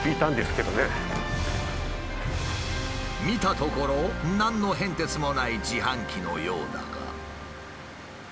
見たところ何の変哲もない自販機のようだが。